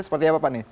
seperti apa pak nih